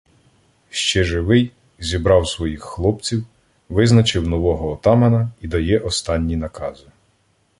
Ще живий, зібрав своїх хлопців, визначив нового отамана і дає останні накази.